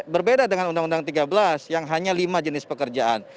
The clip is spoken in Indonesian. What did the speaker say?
berbeda dengan undang undang tiga belas yang hanya lima jenis pekerjaan